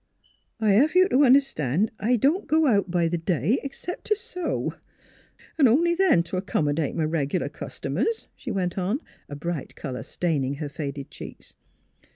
" I'd hev you t' understan' I don't go out b' th' day except t' sew an' only then t' 'commodate m' reg'lar cust'mers," she went on, a bright color staining her faded cheeks.